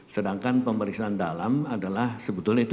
sedangkan pemeriksaan dalam adalah sebetulnya itu